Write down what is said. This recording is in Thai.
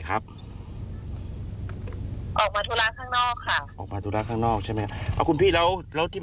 เข้ามาทุกวันเลยเราไม่เป็นอันตราขายของ